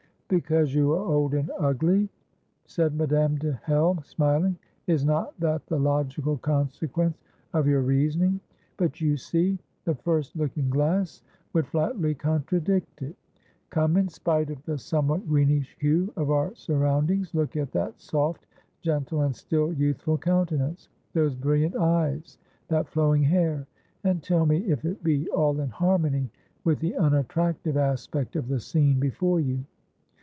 "Because you are old and ugly?" said Madame de Hell, smiling, "is not that the logical consequence of your reasoning! But, you see, the first looking glass would flatly contradict it. Come, in spite of the somewhat greenish hue of our surroundings, look at that soft, gentle, and still youthful countenance, those brilliant eyes, that flowing hair, and tell me if it be all in harmony with the unattractive aspect of the scene before you."